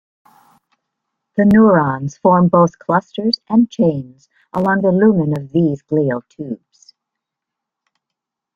The neurons form both clusters and chains along the lumen of these glial tubes.